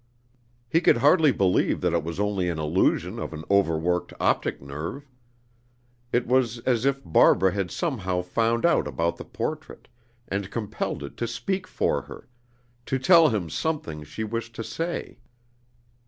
He could hardly believe that it was only an illusion of an overworked optic nerve. It was as if Barbara had somehow found out about the portrait, and compelled it to speak for her, to tell him something she wished to say.